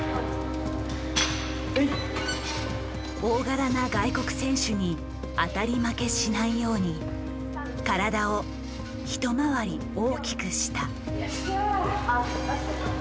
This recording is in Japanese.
大柄な外国選手に当たり負けしないように体を一回り大きくした。